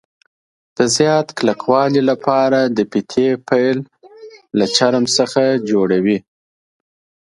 د زیات کلکوالي له پاره د فیتې پیل له چرم څخه جوړوي.